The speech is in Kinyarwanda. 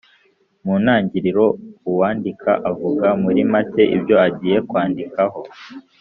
Mu ntangiriro uwandika avuga muri make ibyo agiye kwandikaho.